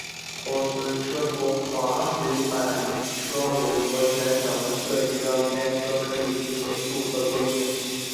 同时车头滑水板及车尾螺旋桨的设计让该车可执行渡河作业。